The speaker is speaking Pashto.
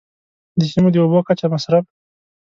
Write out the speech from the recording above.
د سیمو د اوبو کچه، مصرف.